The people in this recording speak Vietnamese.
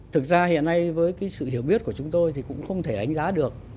thực ra hiện nay với cái sự hiểu biết của chúng tôi thì cũng không thể đánh giá được